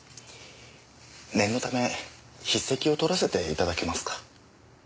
念のため筆跡をとらせていただけますか。